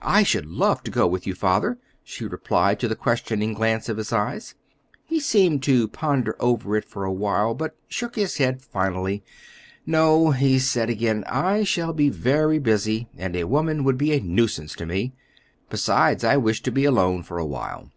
"I should love to go with you, Father," she replied to the questioning glance of his eyes. He seemed to ponder over it for a while, but shook his head finally. "No," he said again; "I shall be very busy, and a woman would be a nuisance to me. Besides, I wish to be alone for a while."